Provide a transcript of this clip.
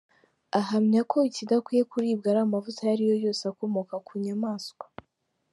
Ahamya ko ikidakwiye kuribwa ari amavuta ayo ariyo yose akomoka ku nyamaswa.